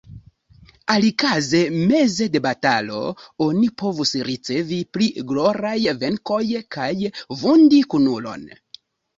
Alikaze meze de batalo oni povus revi pri gloraj venkoj kaj vundi kunulon.